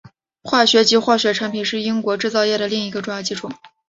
化学及化学产品是英国制造业的另一个重要基础。